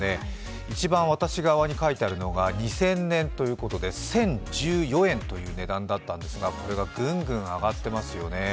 一番、私側に書いてあるのが２０００年ということで１０１４円という値段だったんですがこれがぐんぐん上がっていますよね。